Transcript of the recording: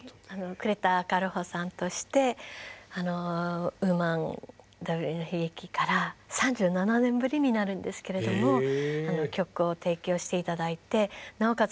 呉田軽穂さんとして「Ｗｏｍａｎ“Ｗの悲劇”より」から３７年ぶりになるんですけれども曲を提供して頂いてなおかつ